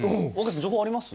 情報あります？